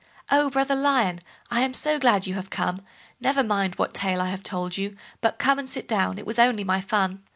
"Oh! brother Lion, I am so glad you have come; never mind what tale I have told you, but come and sit down—it was only my fun."